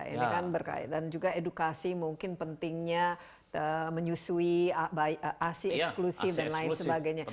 ini kan berkaitan juga edukasi mungkin pentingnya menyusui asi eksklusif dan lain sebagainya